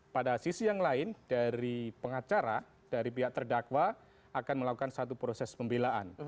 pada sisi yang lain dari pengacara dari pihak terdakwa akan melakukan satu proses pembelaan